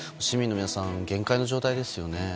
市民の皆さん限界の状態ですよね。